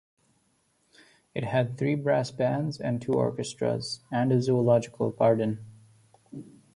It had three brass bands and two orchestras, and a zoological garden.